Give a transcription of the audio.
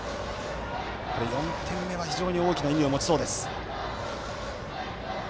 ４点目は非常に大きな意味を持ちそうです。